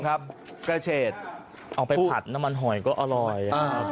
กระเฉดเอาไปผัดน้ำมันหอยก็อร่อย